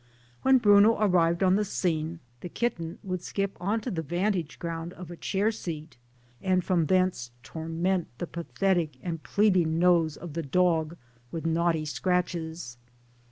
When Bruno arrived on the scene, the kitten would skip on to the vantage ground of a chair seat ; and from thence torment the pathetic and pleading nose of the dog with naughty scratches.